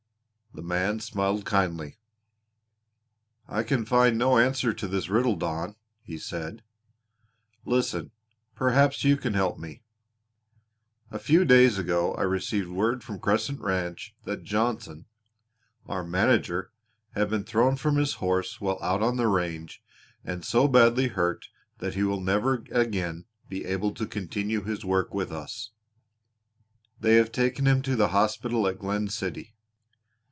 The man smiled kindly. "I can find no answer to this riddle, Don," he said. "Listen! Perhaps you can help me. A few days ago I received word from Crescent Ranch that Johnson, our manager, had been thrown from his horse while out on the range and so badly hurt that he will never again be able to continue his work with us. They have taken him to the hospital at Glen City.